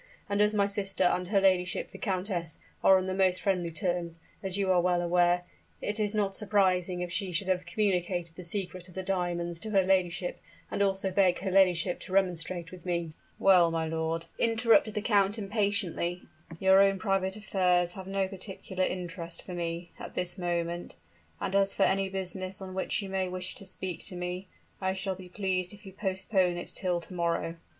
And as my sister and her ladyship, the countess, are on the most friendly terms, as you are well aware, it is not surprising if she should have communicated the secret of the diamonds to her ladyship, and also beg her ladyship to remonstrate with me " "Well, my lord," interrupted the count impatiently, "your own private affairs have no particular interest for me at this moment; and as for any business on which you may wish to speak to me, I shall be pleased if you postpone it till to morrow."